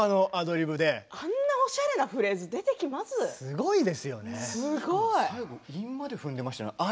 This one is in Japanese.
あんなおしゃれなフレーズで。